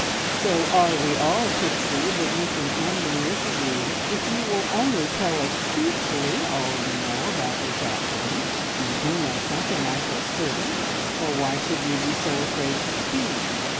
"So are we all, Pixie, but you can end the misery if you will only tell us truthfully all you know about this accident. You do know something, I feel certain, or why should you be so afraid to speak?